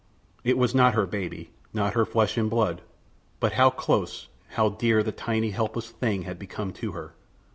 It was not her baby—not her flesh and blood—but how close, how dear the tiny, helpless thing had become to her.